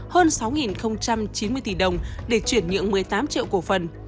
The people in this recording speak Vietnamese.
hơn sáu chín mươi tỷ đồng để chuyển nhượng một mươi tám triệu cổ phần